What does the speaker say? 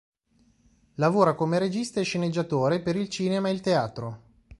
Lavora come regista e sceneggiatore per il cinema e il teatro.